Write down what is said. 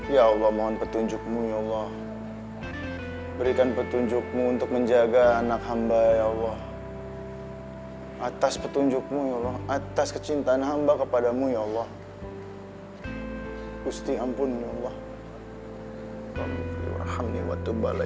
yang amba yakin itu sudah termasuk fitnah ya allah